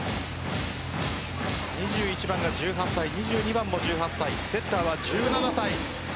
２１番が１８歳２２番も１８歳セッターは１７歳。